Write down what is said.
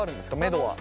めどは。